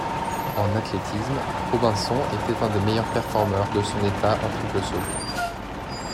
En athlétisme, Robinson était un des meilleurs performeurs de son état en triple saut.